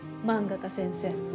漫画家先生。